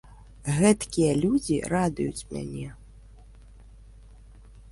Гэткія людзі радуюць мяне.